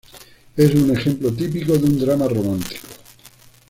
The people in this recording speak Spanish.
Es un ejemplo típico de un drama romántico.